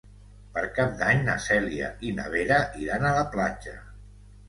Per Cap d'Any na Cèlia i na Vera iran a la platja.